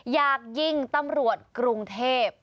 อยากยิงตำรวจกรุงเทพ